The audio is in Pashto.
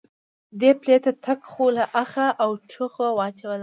دې پلی تګ خو له آخه او ټوخه واچولم.